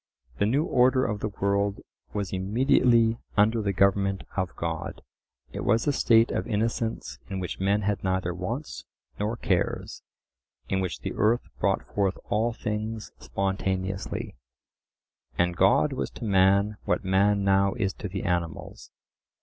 The new order of the world was immediately under the government of God; it was a state of innocence in which men had neither wants nor cares, in which the earth brought forth all things spontaneously, and God was to man what man now is to the animals.